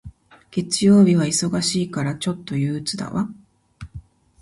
月曜日は忙しいから、ちょっと憂鬱だわ。